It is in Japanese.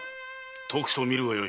とくと見るがよい。